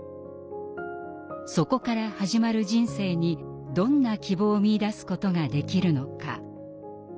「そこから始まる人生にどんな希望を見いだすことができるのか？」。